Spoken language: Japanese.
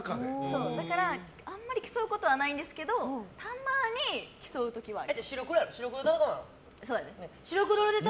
だから、あんまり競うことはないんですけどたまに競う時はある。